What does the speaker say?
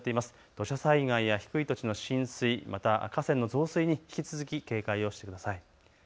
土砂災害や低い土地の浸水、また河川の増水に引き続き警戒をしてください。